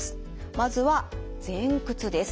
まずは前屈です。